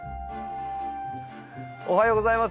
おはようございます。